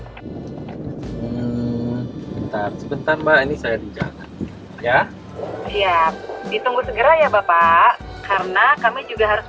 sebentar sebentar mbak ini saya di jakarta ya siap ditunggu segera ya bapak karena kami juga harus